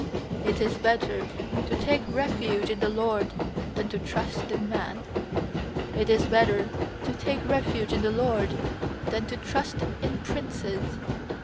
8It is better to take refuge in the LORD Than to trust in man. 9It is better to take refuge in the LORD Than to trust in princes.